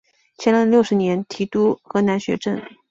乾隆六十年提督河南学政。